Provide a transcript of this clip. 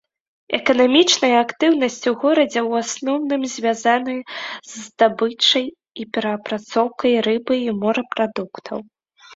Эканамічная актыўнасць у горадзе ў асноўным звязаная з здабычай і перапрацоўкай рыбы і морапрадуктаў.